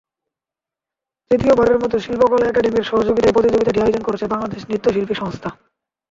তৃতীয়বারের মতো শিল্পকলা একাডেমির সহযোগিতায় প্রতিযোগিতাটি আয়োজন করছে বাংলাদেশ নৃত্যশিল্পী সংস্থা।